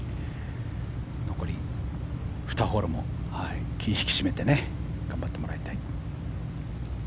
残り２ホールも気を引き締めて頑張ってもらいたい。